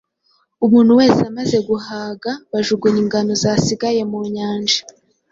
Umuntu wese amaze guhaga bajugunya ingano zasigaye mu nyanja,